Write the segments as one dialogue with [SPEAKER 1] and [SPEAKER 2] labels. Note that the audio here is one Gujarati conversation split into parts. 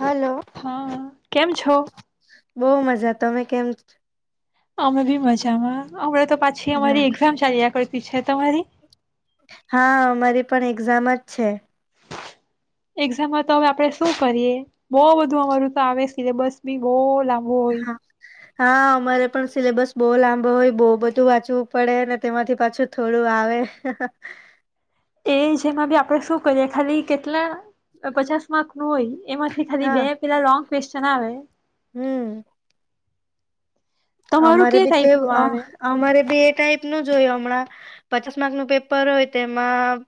[SPEAKER 1] હલો
[SPEAKER 2] હા કેમ છો
[SPEAKER 1] બઉ મજા તમે કેમ
[SPEAKER 2] અમે ભી મજામાં અમને તો પાછી અમારી એક્ઝામ ચાલીયા કર પીછે તમારી
[SPEAKER 1] હા અમારી પણ એક્ઝામ જ છે.
[SPEAKER 2] એક્ઝામ હોય તો હવે આપડે શું કરીએ બો બધું અમારું તો આવે સિલેબસ બી બોગ લાબું હોય.
[SPEAKER 1] હા હા અમારે પણ સિલેબસ બો લાંબો હોય બો બધું વાંચવું પડે ને તેમાંથી પાછું થોડું આવે.
[SPEAKER 2] એ જેમાં બી આપડે શું કરીએ ખાલી કેટલા પચાસ માર્ક નું હોય. એમાંથી ખાલી બે પેલા લો કવેશ્ચન આવે.
[SPEAKER 1] હમ્મ.
[SPEAKER 2] તમારું
[SPEAKER 1] અમારે
[SPEAKER 2] કે
[SPEAKER 1] બી તે
[SPEAKER 2] ટાઈપ
[SPEAKER 1] વું
[SPEAKER 2] નું
[SPEAKER 1] આહ
[SPEAKER 2] આવે
[SPEAKER 1] અમારે બી એ ટાઈપ નુંજ જોય હમણાં પચાસ માર્કનું પેપર હોય તેમાં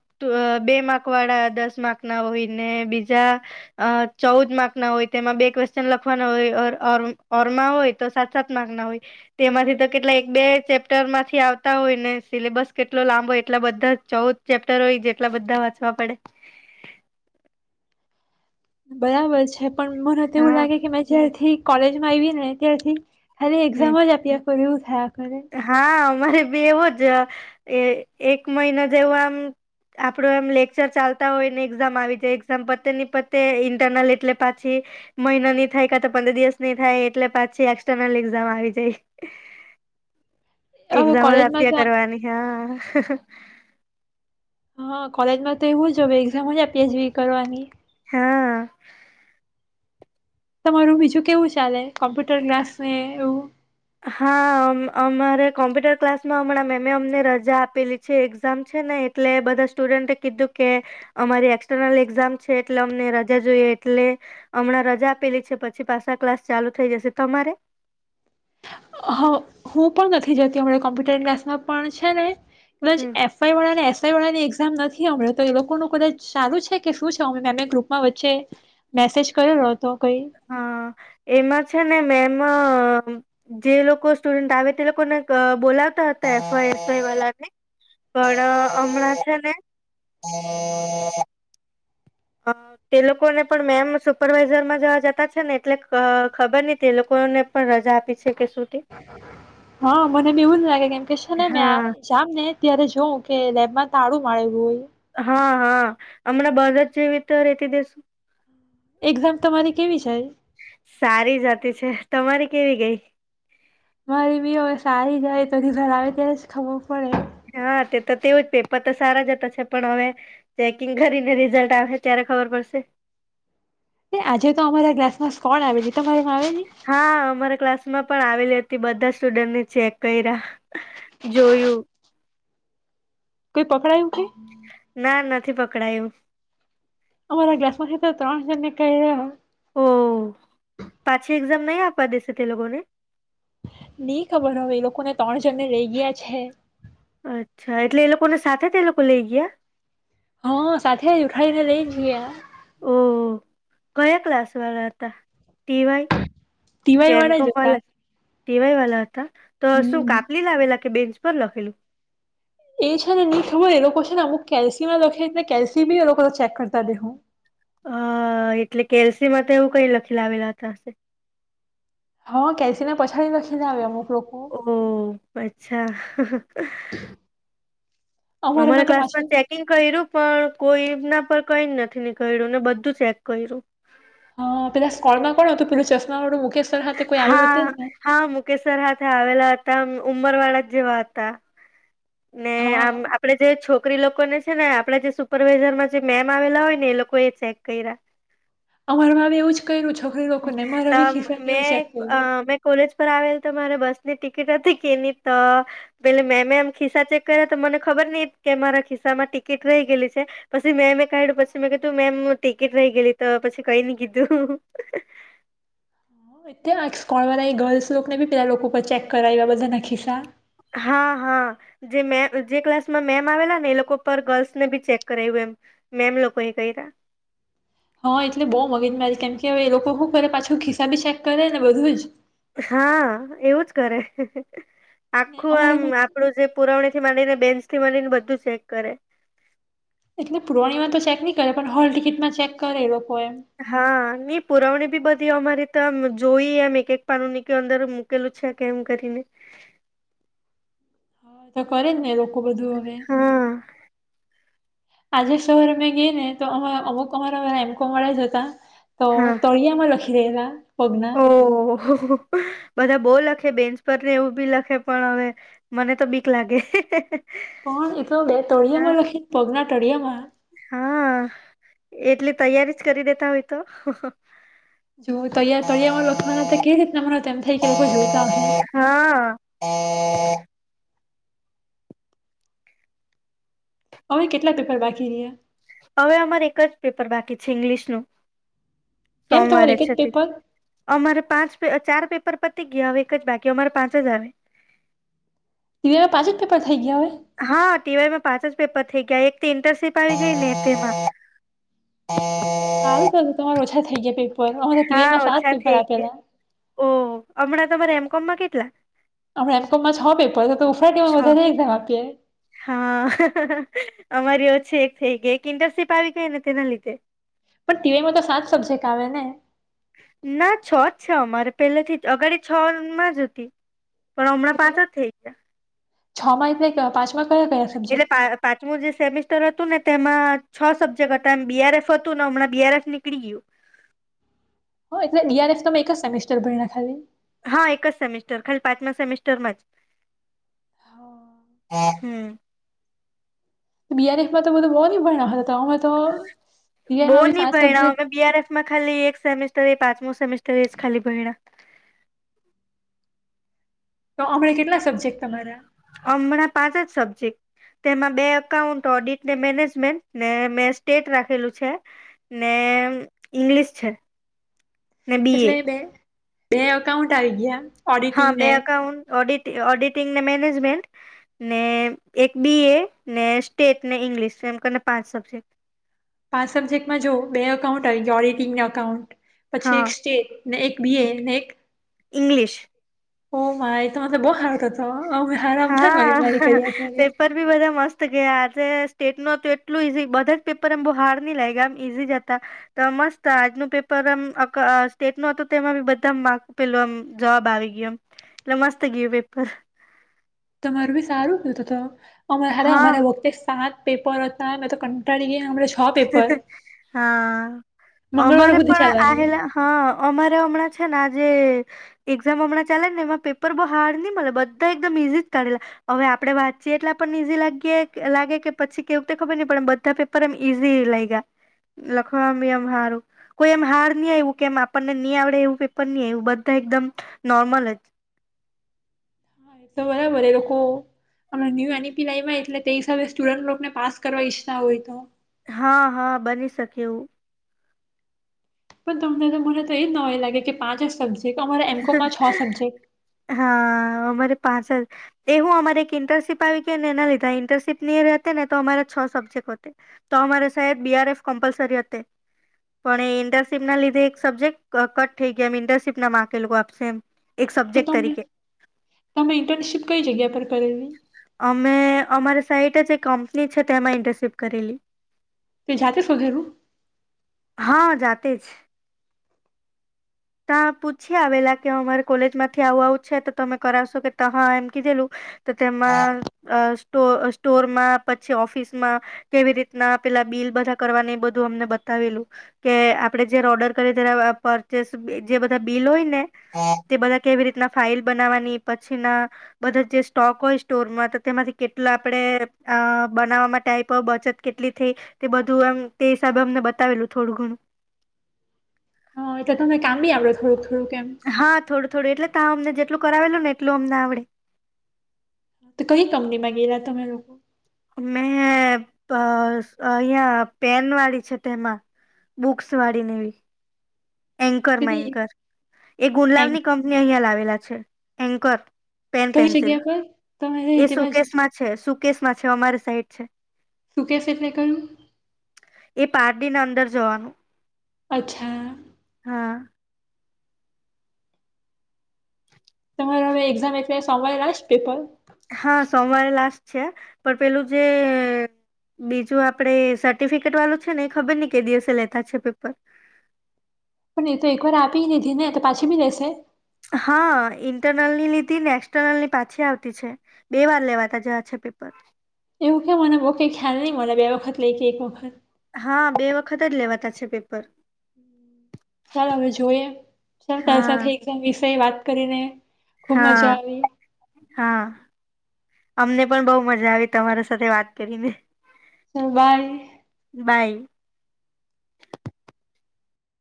[SPEAKER 1] બે માર્ક વાળા દસ માર્કના હોય ને બીજા અ ચૌદ માર્કના હોય તેમાં બે ક્વેશચન લખવાના હોય અર અરુણ ઓરમા હોય તો સાત સાત માર્ક ના હોય. તેમાંથી તો કેટલા એક બે ચેપ્ટરમાંથી આવતા હોય ને સિલેબસ કેટલો લાંબો એટલા બધા ચૌદ ચેપ્ટર હોય જેટલા બધા વાંચવા પડે.
[SPEAKER 2] બરાબર છે. પણ મને તેવું
[SPEAKER 1] હા
[SPEAKER 2] લાગે કે મેં જ્યારથી કોલેજમાં આયવીને ત્યારથી ખાલી
[SPEAKER 1] હમ
[SPEAKER 2] એક્ષામજ આપ્યા પર્યુ થા.
[SPEAKER 1] હા. મારે બી એવુજ એ એક મહિના જેવો આમ આપડો આમ લેક્ચર ચાલતા હોય ને એક્ઝામ આવી જાય એક્ષામ પતે ની પતે ઇન્ટરનલ એટલે પાછી મહિનાની થાય કાતો પંદર દિવસ ની થાય એટલે પાછી એક્સર્નલ એામ આવી જાય.
[SPEAKER 2] હવે
[SPEAKER 1] એક્ષામ જ
[SPEAKER 2] કોલેજમાં તો
[SPEAKER 1] આપ્યા કરવાની હા.
[SPEAKER 2] હા કોલેજમાં તો એવું જ એઝામ જ પીએચવી કરવાની.
[SPEAKER 1] હા.
[SPEAKER 2] તમારું બીજું કેવું ચાલે કોમ્પ્યુટર ક્લાસ ને એવું.
[SPEAKER 1] હા અ અમારે કોમ્પ્યુટર ક્લાસમાં હમણાં મેમે અમને રજા આપેલી છે એક્ઝામ છે ને એટલે બધા સ્ટુડન્ટે કીધું કે અમારી એક્સટર્નલ એક્ઝામ છે એટલે અમને રજા જોઈએ એટલે હમણાં રજા આપેલી છે પછી પાછા ક્લાસ ચાલુ થઈ જશે તમારે.
[SPEAKER 2] હ હું પણ નથી જતી અમાણા કોમ્પ્યુટર ક્લાસમાં પણ છે ને. એ
[SPEAKER 1] હમ
[SPEAKER 2] એફઆઈ વાળા ને એસ. ની એક્ઝામ નથી અમ્યો તો એ લોકોનું કદાચ ચાલુ છે કે શું છે અમે મે ગ્રુપમાં વચ્ચે મેસેજ કર્યો.
[SPEAKER 1] હા એમાં છે ને મેમ. જે લોકો સ્ટુડન્ટ આવે તે લોકોને બોલાતા હતા એ વાળાને પણ હમણાં છે ને. તે લોકોને પણ મેમ સુપરવાઈઝર માં જવા જતા છે ને એટલે ખબર નહ તે લોકોને પણ રજા આપી છે કે. શું તે
[SPEAKER 2] હા મનેમ એવું ન લાગે કેમ કે છે ને મેં
[SPEAKER 1] હા
[SPEAKER 2] જામ ને ત્યારે જોઉં. કે લેબમાં તાળું માળેલું હોય.
[SPEAKER 1] હા હા હમણાં બજા જ જેવીીતે રેતી દેસુ.
[SPEAKER 2] એક્ઝામ તમારી કેવી છે.
[SPEAKER 1] સારી જાતી છે તમારી કેવી ગઈ.
[SPEAKER 2] મારી બી હવે સારી જાય તો ઘર આવે ત્યાં જ ખબર પડે.
[SPEAKER 1] હા તે તો તેવું જ પેપર તો સારા જતા છે પણ હવે ચેકિંગ કરીને રિઝલ્ટ આવે ત્યારે ખબર પડશે.
[SPEAKER 2] એ આજે તો અમારા ગ્લાસમાંસ કોણ આવે છે.
[SPEAKER 1] હા અમારા ક્લાસ. માં પણ આવેલી હતી બધા સ્ટુડન્ટને ચેક કર્યા જોયું.
[SPEAKER 2] કોઈ પકડાયું કે.
[SPEAKER 1] થી પકડાયું.
[SPEAKER 2] અમારા ગ્લાસમાંખા ત્રણ જને ક.
[SPEAKER 1] ઓ પાછી એક્ઝામ નહીં આપવા દેશે તે લોકોને.
[SPEAKER 2] નઈ ખબર હ એ લોકોને ત્રણ જણને રહી ગયા છે.
[SPEAKER 1] અચ્છા એટલે એ લોકોને સાથે જ એ લોકો લઈ ગયા.
[SPEAKER 2] હા સાથે જ ઉઠીને લઈ જીએ.
[SPEAKER 1] ઓ કયા ક્લાસ વાળા હતા તેવાય.
[SPEAKER 2] દિવાય વાળા જ હતા.
[SPEAKER 1] તેવાય વાલા. તો શું
[SPEAKER 2] હમ
[SPEAKER 1] કાપલી લાવેલા કે બેન. પપ લખલું.
[SPEAKER 2] એ છે ને ની ખબર એ લોકો છે નેમુક કેલ્સિયમ ના લખેીને કેલ્સિયમ એ લોકો ચેક કરતા દેહું.
[SPEAKER 1] હ એટલે કેલસી માં તો એવું કઈ લખી લાવેલા ત હશે.
[SPEAKER 2] હ કેસીિના પછાડીને દખીને આવેવેમું.
[SPEAKER 1] ઓહ અચ્છા. [inaudible] અમારે
[SPEAKER 2] અમારામાં તો
[SPEAKER 1] ક્લાસમાં
[SPEAKER 2] પાછું
[SPEAKER 1] ચેકિંગ કર્યું પણ કોઈ. ના પણ કઈ નથી નીકળ્યું બધું ચેક કર્યું.
[SPEAKER 2] હા, પેલા સ્કોર્ડમાં કોણું પેલો ચશ્મા વાળો મૂકેશ
[SPEAKER 1] હા હા, મુકેશભાઈ હાથે આવેલા. તેમ ઉમ્મરવાળા જેવા હતા હતા. ને આમ
[SPEAKER 2] હા
[SPEAKER 1] આપડે જે છોક છોકરી લોકોને છે ને આપણેે જે સુપરવાઈઝરમાં જે મેમ આવેલા હોય ને એ લોકો એ ચેક કર્યા.
[SPEAKER 2] અમારામાં એવું જ કર્યું છે.
[SPEAKER 1] અ મેં અ
[SPEAKER 2] કર્યું.
[SPEAKER 1] મેં કોલેજ પર આવેલ. તો મારે બસની ટિકિટ હતી કેની તો પેલે મેમે આમ ખિસ્સા ચેક કર્યા તો મને ખબર નઈ કે મારા ખિસ્સા માં ટિકિટ રહી ગયલી છે પછી મેમે કહ્યું પછી મેં કીધું મેમ ટિકિટ રહી ગયલી તો પછી કઈ ન કીધું.
[SPEAKER 2] વિદ્યા આજે સ્કોલર આવી ગર્લ્સ લોકો ને બી ત્યાં લોકોના ચેક કરાવ્યા બધા ન ખીસ્સા.
[SPEAKER 1] હા હા જે મે ક્લાસમાં મેમ આવેલા ને એ લોકો પર ગર્લ્સને બી ચેક કરાવ એમ મેમ લોકો એ કઈક
[SPEAKER 2] હા એટલે બહુ મગજમારી કેમ કે એ લોકો શું કરે પાછું ખિસ્સા બી ચેક કરે ને બધું જ.
[SPEAKER 1] હા એવું જ કરે.
[SPEAKER 2] ને
[SPEAKER 1] આખું આમ
[SPEAKER 2] અમારામાં
[SPEAKER 1] આપણું જે પુરાવણી. થી વધી ને બેન્ચ થી વધીને બધું ચેક કરે.
[SPEAKER 2] એટલે પુરવણીમાં તો ચેક નહી કરે પણ હોલ ટિકિટ માં ચેક કરે એઓ
[SPEAKER 1] હા નહી પુરવણી. બધી અમારે તો આ જોઈ એમ એક એક પાનું ની અંદર મૂકેલું છે કેમ કરીને.
[SPEAKER 2] હ તો કરે જ ને એઓ આ બધું હવે
[SPEAKER 1] હા
[SPEAKER 2] આજે સવારે અમે ગઈ ને તો અમેં અમુક અમારા એમ કોમ વાળા જ હતા. તો
[SPEAKER 1] હા
[SPEAKER 2] તળિયામાં રેરા.
[SPEAKER 1] બધા બહુ લખ. બેન્ચ પર ને એવું બી લખે પણ હવે મને તો બીક લાગે.
[SPEAKER 2] પણ એતો બે [unintelligible]
[SPEAKER 1] હા
[SPEAKER 2] પગ્ના. તળીયામાં.
[SPEAKER 1] હા એટલે તૈયારી જ કરી દેતા હોય તો.
[SPEAKER 2] જો ત તળિયામાં લખવાના તો કેવી રીતના મને તેમ થાય કે લોકો જોતા હોય.
[SPEAKER 1] હા
[SPEAKER 2] હવે કેટલા પેપર બાકી રહ્યા.
[SPEAKER 1] હવે અમારે એક જ પેપર બાકી છે ઇંગ્લિશનું.
[SPEAKER 2] કેમ તમારે
[SPEAKER 1] સોમવારે
[SPEAKER 2] એક જ
[SPEAKER 1] છે તે,
[SPEAKER 2] પેપર
[SPEAKER 1] અમારે પાંચ પે ચાર. પેપર પતિ ગયા હવે એક જ બાકી અમારે પાંચ હજાર.
[SPEAKER 2] એ પાચ જ પેપર થઈ ગયા હવે
[SPEAKER 1] હા ટી વાયમાં પાંચ જ પેપર થઈ ગયા એક ઇન્ટનશીપ આવી ગઈ ને પે
[SPEAKER 2] હારું થયું તમારું ઓછા થઈયા પી
[SPEAKER 1] હા, ઓછા થઈ ગયા ઓ હમણાં તમારે એમ કોમ માં કેટલા?
[SPEAKER 2] અમના એમ કોમ માં છ પેપર તો
[SPEAKER 1] છ
[SPEAKER 2] [unintelligible] એક્ઝામ આપીએ
[SPEAKER 1] હા અમારી ઓછી એક થઈ ગઈ એક ઇન્ટર્નશીપ આવી ગઈ ને તેના લીધે
[SPEAKER 2] પણ ટીવાય માં તો સાત સબ્જેક્ટ આવે ને
[SPEAKER 1] ના, છ જ છે, અમારે પહેલેથી અગાડી છ માં જ હતી પણ અમણાં
[SPEAKER 2] એટલે
[SPEAKER 1] પાંચ જ થઈ ગયા
[SPEAKER 2] છ માઇ થઈ ગયા પાચ
[SPEAKER 1] એટલે પાંચમુ જે સેમેસ્ટર હતું ને તેમાં છ સબ્જેક્ટ હતા એમ બી આર એફ હતું ને હમણાં બી આર એફ નીકળી ગીયું
[SPEAKER 2] હ એટલે બી આર એફ એક જ સેમેિસ્ટર ભયણા ખાલી
[SPEAKER 1] હા, એક જ સેમિસ્ટર ખાલી પાંચમા સેમિસ્ટરમાં જ હમ હ
[SPEAKER 2] બી આર એફ તો બધા બો ની ભણાવ [unintelligible]
[SPEAKER 1] બોની
[SPEAKER 2] સાત
[SPEAKER 1] ભયણા
[SPEAKER 2] સબ્જેક્ટ
[SPEAKER 1] અમે બી આર એફ માં ખાલી એક સેમિસ્ટર એ પાચ મો સેમેસ્ટર એ જ ખાલી ભયણા
[SPEAKER 2] તો આમે કેટલા સબ્જેક્ટ તમારા?
[SPEAKER 1] હમણાં પાંચ જ સબ્જેક્ટ તેમાં બે એકકાઉન્ટ, ઓડિટ ને મેનેજમેન્ટ ને મેં સ્ટેટ રાખેલું છે ને ઈંગ્લિશ છે ને બી એ
[SPEAKER 2] એટલે બે બે અકાઉન્ટ આવી ગીયા
[SPEAKER 1] હા, બે અકાઉન્ટ ઓડિટી ઓડિટિંગ ને મેનેજમેન્ટ, ને એક બીએ, ને સ્ટેટ, ને ઈંગ્લીશ એમ કરી ને પાંચ સબ્જેક્ટ
[SPEAKER 2] પાંચ સબ્જેક્ટમાં જોવ બે અકાઉન્ટ આવી ગયો ઓરિટિંગ ને અકાઉન્ટ પછી
[SPEAKER 1] હા
[SPEAKER 2] એક સ્ટેટ ને, એક બીએ ને, એક
[SPEAKER 1] ઇંગ્લીિશ
[SPEAKER 2] ઓ માય! ત્યારે તો બો હારુ થાત હ
[SPEAKER 1] હા, હ હ પેપર બી બધા મસ્ત ગયા છે સ્ટેટ નો તો એટલું ઈઝી બધા જ પેપર એમ બહુ હાર્ડની લાયગા એમ ઈઝી જ હતા તો મસ્ત આજનું પેપર અ એમ અ સ્ટેટ નું હતો તેમાં મે બધા માર્ક પેલું આમ જવાબ આવી ગયો એમ એટલે મસ્ત ગીયું પેપર
[SPEAKER 2] તમારું બી સારું ને ત-ત અમાહરે
[SPEAKER 1] હા
[SPEAKER 2] અમારા વખતે સાત પેપર હતા મે તો કંટાળી ગેઈ [unintelligible]
[SPEAKER 1] હિ હિ, હા,
[SPEAKER 2] મંગળવારે
[SPEAKER 1] અમારે
[SPEAKER 2] સુધી
[SPEAKER 1] પણ આ
[SPEAKER 2] ચાલવાની
[SPEAKER 1] હેલા હ અમારે હમણાં છે ને આજે એક્ઝામ હમણાં ચાલે ને એમાં પેપર બહુ હાર્ડની મલે બધા એકદમ ઈઝી જ કાઢેલા અવે આપડે વાચીએ એટલે આપણ ને ઈઝી લાગીએ કે લાગે કે પછી કેવુક તે ખબર નહી પણ એમ બધા પેપર એમ ઈઝી લાયગા લખવા મી એમ હારું કોઈ એમ હાર્ડ નહી આવ્યું કેમ આપણને ની આવડે એવું પેપર ની આયવું બધા એકદમ નોર્મલ જ
[SPEAKER 2] હા, એ તો બરાબર એ લોકો અમના ન્યૂ એન ઈ પી લાયવા એટલે તે હિસાબે સ્ટુડન્ટ લોકોને પાસ કરવા ઈચ્છતા હોય તો.
[SPEAKER 1] હા હા બની શકે એવું.
[SPEAKER 2] પણ તમને તો મને તો એજ નવાય લાગે કે પાંચ જ સ
[SPEAKER 1] હા અમારે પાછળ એવું અમારે એક ઇન્ટર્નશીપ આવી ગઈ. અને એના લીધે આ ઇન્ટરશીપ ની રેતીને તો અમારે છ સબ્જેક્ટ હોતે તો અમારે સાહેબ બીઆરએફ કમ્પલસરી હતી. પણ એ ઇન્ટર્નશીપ ના લીધે એક સબ્જેક કટ થઈ ગયા એમ ઇન્ટરશિપ ના માર્ક તે લોકો આપશે એમ. એક
[SPEAKER 2] તો
[SPEAKER 1] સબ્જેક્ટ
[SPEAKER 2] તમને
[SPEAKER 1] તરીકે
[SPEAKER 2] તમે ઇન્ટર્નશીપ કઈ જગ્યા પર કરેલી?
[SPEAKER 1] અમે અમારી સાઈટ જ કંપની છે તેમાં ઇન્ટરશિપ કરેલી.
[SPEAKER 2] તે જાતે શોધેલું?
[SPEAKER 1] હા જાતે જ. ત્યા પૂછી આવેલા કે અમારે કોલેજમાંથી આવું આવું છે તો તમે કરાવશો કે તા હા એમ કીધેલું તો તેમાં સ્ટો સ્ટોરમાં પછી ઓફિસમાં તેવી રીતના પેલા બિલ બધા કરવાના એ બધું અમને બતાવેલું કે આપણે જ્યારે ઓર્ડર કરીએ ત્યારે પરચેસ જે બધા બિલ હોય ને હા તે બધા કેવી રીતના ફાઈલ બનાવાની પછીના બધા જે સ્ટોક હોય સ્ટોરમાં તો તેમાંથી કેટલા આપણે અ બનાવામાં ટાઈપ હો બચત કેટલી થઈ તે બધું એમ તે હિસાબે અમને બતાવેલું થોડું ઘણું.
[SPEAKER 2] હ એટલે તમને કામ બી આવડે થોડુંક. થોડુંક એમ
[SPEAKER 1] હા થોડુંક. થોડું એટલે કામને જેટલું કરાવેલું ને એટલું અમને આવડે.
[SPEAKER 2] તો કઈ કંપનીમાં ગેલા તમે લોકો?
[SPEAKER 1] મે અ અ અહિયાં પેન વાળી છે તેમાં બુક્સવાળી ને એવી. એન્કરમાં
[SPEAKER 2] પેલી
[SPEAKER 1] એન્કર એ
[SPEAKER 2] એન્ક
[SPEAKER 1] ગુણલાલની કંપની અહીંયા લાવે. રયા છે એન્કર પેન
[SPEAKER 2] કઈ
[SPEAKER 1] પેન્સિલ
[SPEAKER 2] જગ્યા પર તમારે
[SPEAKER 1] એ
[SPEAKER 2] તે બાજુ
[SPEAKER 1] સુકેસમાં છે સુ કેશમાં છે અમારી સાઈડ છે.
[SPEAKER 2] સુકેશ એટલે કયું?
[SPEAKER 1] એ પારડી ના અંદર જવાનું.
[SPEAKER 2] અચ્છા.
[SPEAKER 1] હા.
[SPEAKER 2] અમારે હવે એક્ઝામ એટલે સમયના જ પેપર
[SPEAKER 1] હા સો વાર જ છે પણ પેલું જે બીજું આપણે સર્ટિફિકેટ વાલુ છે ને એ ખબરની કે દિવસે લેતા છે પેપર.
[SPEAKER 2] પણ એ તો એક વાર આપી લીધી ને તો પાછી બી લેશે?
[SPEAKER 1] હા ઇન્ટરનલની લીધી ને એક્સટર્નલની પાછી આવતી છે બે વાર લેવાતા જવા છે પેપર.
[SPEAKER 2] એવું કે મને ઓકે ખ્યાલ નહીં મને બે વખત લઈ કે એક વખત.
[SPEAKER 1] હા બે વખત જ લેવાતા છે પેપર.
[SPEAKER 2] ચાલ હવે જોઈએ ચાલ તાર સાથે
[SPEAKER 1] હા
[SPEAKER 2] એક્ઝામ વિષય વાત કરીને ખુબ મજા
[SPEAKER 1] હા
[SPEAKER 2] આવી
[SPEAKER 1] હા. અમને પણ બહુ મજા આવી તમારા સાથે વાત કરીને.
[SPEAKER 2] ચલ બાઈ.
[SPEAKER 1] બાઈ.